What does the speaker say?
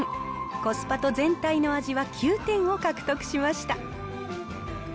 コスパと全体の味は９点を獲得しました。